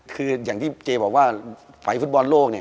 คืออย่างที่เจ๊บอกว่าไฟฟุตบอลโลก